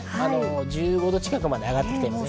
１５度近くまで上がってきています。